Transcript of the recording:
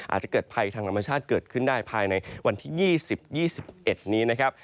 อาจจะเกิดภัยทางธรรมชาติเกิดขึ้นได้ภายในวันที่๒๐๒๑นี้นะครับ